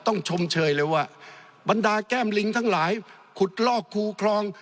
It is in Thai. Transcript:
ชมเชยเลยว่าบรรดาแก้มลิงทั้งหลายขุดลอกคูคลอง